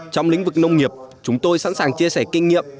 trong lĩnh vực nông nghiệp chúng tôi sẵn sàng chia sẻ kinh nghiệm